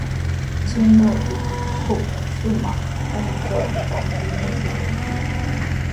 Chimbotepita huk shumaq punchuta rantimushqa.